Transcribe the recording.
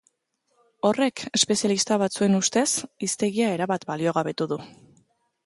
Horrek, espezialista batzuen ustez, hiztegia erabat baliogabetu du.